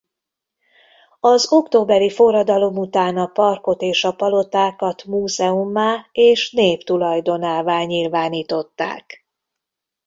Az októberi forradalom után a parkot és a palotákat múzeummá és nép tulajdonává nyilvánították.